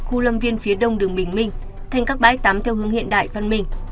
khu lâm viên phía đông đường bình minh thành các bãi tắm theo hướng hiện đại văn minh